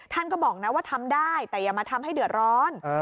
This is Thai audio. ท่านก็บอกนะว่าทำได้แต่อย่ามาทำให้เดือดร้อน